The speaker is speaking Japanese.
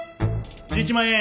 １１万円。